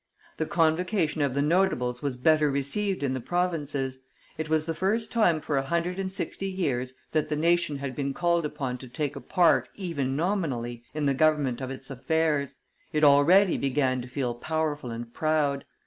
The convocation of the notables was better received in the provinces: it was the first time for a hundred and sixty years that the nation had been called upon to take a part, even nominally, in the government of its affairs; it already began to feel powerful and proud.